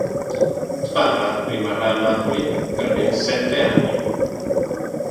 Sbarra rimarrà a Napoli per ben sette anni.